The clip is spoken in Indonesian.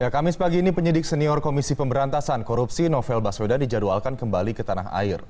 kamis pagi ini penyidik senior komisi pemberantasan korupsi novel baswedan dijadwalkan kembali ke tanah air